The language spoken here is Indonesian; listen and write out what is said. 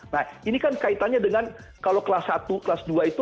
nah ini kan kaitannya dengan kalau kelas satu kelas dua itu